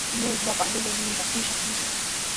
Luis llapan qellaynintashi ushaskishqa.